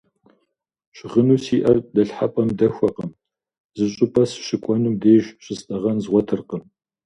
Щыгъыну сиӏэр дэлъхьэпӏэм дэхуэкъым, зы щӏыпӏэ сыщыкӏуэнум деж щыстӏэгъэн згъуэтыркъым.